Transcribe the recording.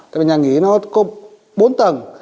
tại vì nhà nghỉ nó có bốn tầng